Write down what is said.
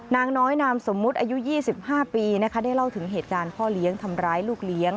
นางน้อยนามสมมุติอายุ๒๕ปีนะคะได้เล่าถึงเหตุการณ์พ่อเลี้ยงทำร้ายลูกเลี้ยง